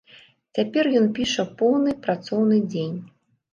Цяпер ён піша поўны працоўны дзень.